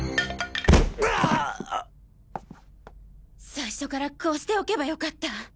最初からこうしておけばよかった。